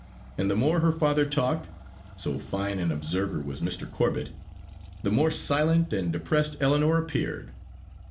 And the more her father talked so fine an observer was Mr. Corbet the more silent and depressed Ellinor appeared.